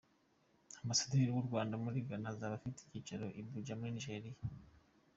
Ambasaderi w’u Rwanda muri Ghana azaba afite icyicaro Abuja muri Nigeria.